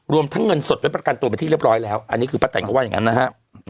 รวมทั้งเงินสดไว้ประกันตัวไปที่เรียบร้อยแล้วอันนี้คือป้าแตนก็ว่าอย่างนั้นนะฮะ